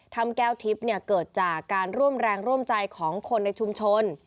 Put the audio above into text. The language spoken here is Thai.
แก้วทิพย์เกิดจากการร่วมแรงร่วมใจของคนในชุมชน